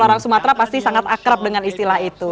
orang sumatera pasti sangat akrab dengan istilah itu